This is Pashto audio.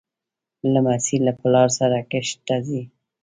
لمسی له پلار سره کښت ته ځي.